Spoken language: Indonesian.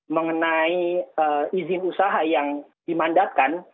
mengenai izin usaha yang dimandatkan